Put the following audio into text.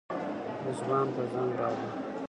رضوان ته زنګ راغی.